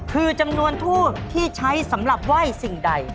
คือจำนวนทูบที่ใช้สำหรับไหว้สิ่งใด